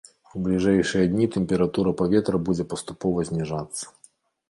У бліжэйшыя дні тэмпература паветра будзе паступова зніжацца.